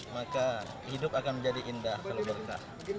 maka hidup akan menjadi indah kalau berkah